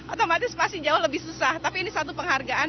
otomatis masih jauh lebih susah tapi ini satu penghargaan